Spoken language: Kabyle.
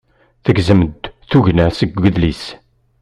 Tegzem-d tugna seg udlis.